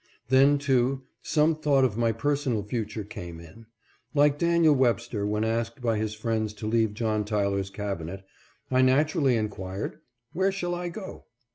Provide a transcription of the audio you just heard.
Then, too, some thought of my personal future came in. Like Daniel Webster, when asked by his friends to leave John Tyler's cabinet, I naturally inquired :" Where shall I go